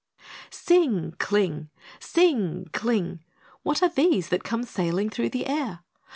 Sing! cling! Sing! cling! What are these that come sailing through the air?